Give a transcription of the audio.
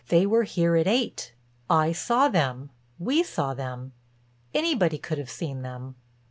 "They were here at eight. I saw them, we saw them, anybody could have seen them."